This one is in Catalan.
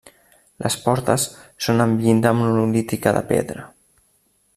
Les portes són amb llinda monolítica de pedra.